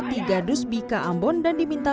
tiga dus bika ambon dan diminta